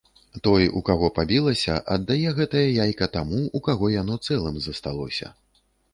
Той, у каго пабілася, аддае гэтае яйка таму, у каго яно цэлым засталося.